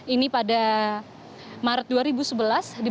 ini pada maret dua ribu sebelas diberikan oleh agustin